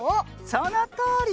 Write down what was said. そのとおり！